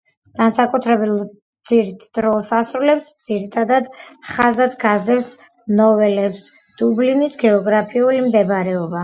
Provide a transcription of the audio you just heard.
განსაკუთრებულ როლს ასრულებს და ძირითად ხაზად გასდევს ნოველებს დუბლინის გეოგრაფიული მდებარეობა.